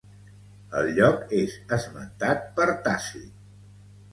El lloc és esmentat per Tàcit.